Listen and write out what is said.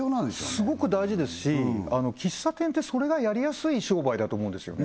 すごく大事ですし喫茶店ってそれがやりやすい商売だと思うんですよね